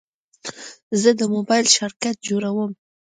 زه د موبایل شارټکټ جوړوم.